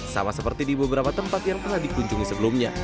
sama seperti di beberapa tempat yang telah dikunjungi sebelumnya